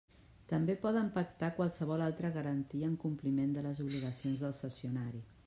També poden pactar qualsevol altra garantia en compliment de les obligacions del cessionari.